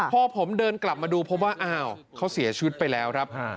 พ่อผมเดินกลับมาดูเพราะว่าอ้าวเขาเสียชุดไปแล้ว